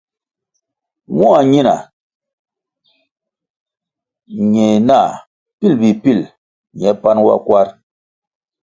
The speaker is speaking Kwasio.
Mua ñina ñe nah pil mbpi pil ñe panʼ wa kwarʼ.